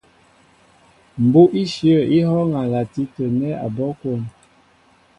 Mbú' íshyə̂ í hɔ́ɔ́ŋ a lati tə̂ nɛ́ abɔ́' kwón.